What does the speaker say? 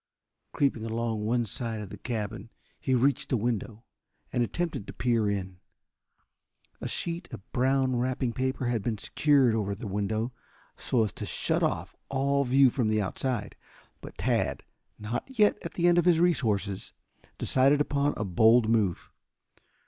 Creeping along one side of the cabin he reached a window and attempted to peer in. A sheet of brown wrapping paper had been secured over the window so as to shut off all view from the outside. But Tad, not yet at the end of his resources, decided upon a bold move.